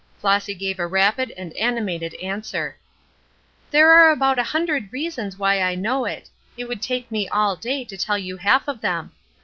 Flossy gave a rapid and animated answer. "There are about a hundred reasons why I know it; it would take me all day to tell you half of them.